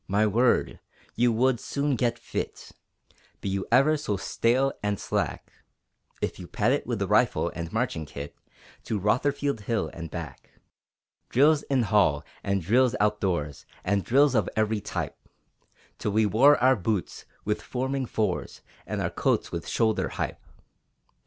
My word, you would soon get fit, Be you ever so stale and slack, If you pad it with rifle and marching kit To Rotherfield Hill and back! Drills in hall, and drills outdoors, And drills of every type, Till we wore our boots with forming fours, And our coats with "Shoulder hipe!"